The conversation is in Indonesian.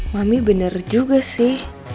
mami bener juga sih